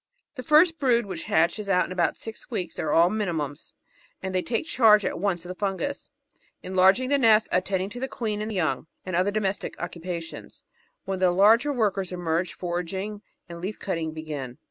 The first brood, which hatches out in about six weeks, are aU minims, and they take charge at once of the fungus, enlarging the nest, attending to the queen and young, and other domestic occupations. When the larger workers emerge, foraging and leaf cutting begin.